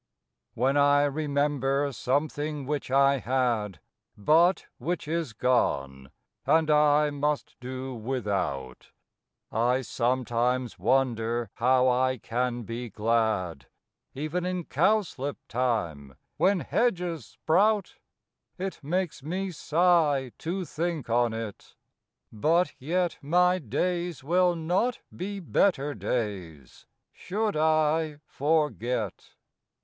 ^Y^HEN I remember something which I had, But which is gone, and I must do without, I sometimes wonder how I can be glad, Even in cowslip time when hedges sprout; It makes me sigh to think on it — but yet My days will not be better days, should I forget.